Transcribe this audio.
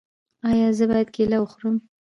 ایا زه باید کیله وخورم؟